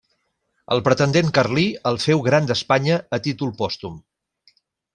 El pretendent carlí el féu gran d'Espanya a títol pòstum.